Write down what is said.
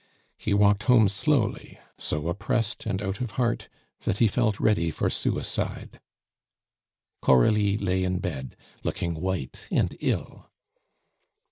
He walked home slowly, so oppressed and out of heart that he felt ready for suicide. Coralie lay in bed, looking white and ill.